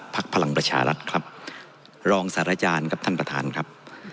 พลังประชารัฐครับรองสารอาจารย์ครับท่านประธานครับ